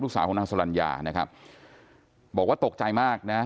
สาวของนางสลัญญานะครับบอกว่าตกใจมากนะ